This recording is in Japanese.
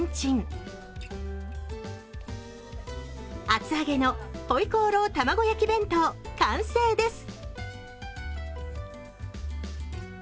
厚揚げのホイコーローと玉子焼き弁当、完成です。